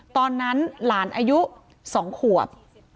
ตอนนั้นหลานอายุ๒ขวบ